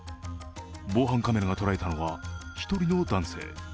防犯カメラが捉えたのは１人の男性。